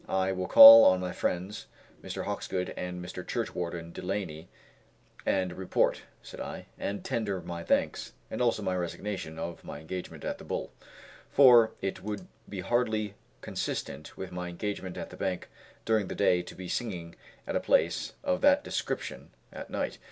"I will call on my friends, Mr. Hawkesgood and Mr. Churchwarden Delany, and report," said I, "and tender my thanks, and also my resignation of my engagement at the Bull; for it would be hardly consistent with my engagement at the bank during the day to be singing at a place of that description at night."